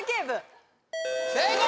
正解！